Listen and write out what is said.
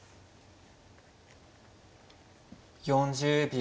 ４０秒。